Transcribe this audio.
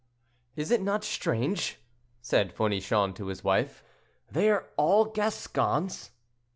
"Is it not strange," said Fournichon to his wife, "they are all Gascons?"